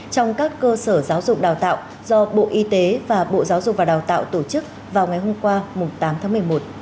trong các cơ sở giáo dục đào tạo do bộ y tế và bộ giáo dục và đào tạo tổ chức vào ngày hôm qua tám tháng một mươi một